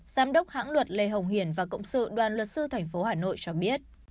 giám đốc hãng luật lê hồng hiển và cộng sự đoàn luật sư tp hà nội cho biết